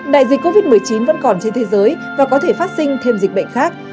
đại dịch covid một mươi chín vẫn còn trên thế giới và có thể phát sinh thêm dịch bệnh khác